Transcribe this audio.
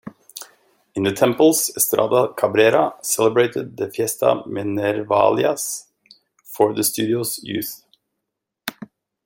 In the Temples, Estrada Cabrera celebrated the "Fiestas Minervalias" for the Studious Youth.